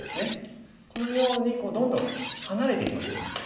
このようにどんどん離れていきましょう。